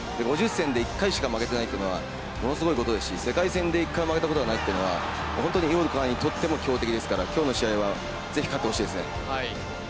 ５０戦で１回しか負けていないというのはものすごいことですし世界戦で１回も負けたことがないというのは井岡にとっても強敵ですから今日の試合はぜひ勝ってほしいですね。